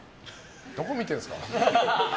どこ見てるんすか。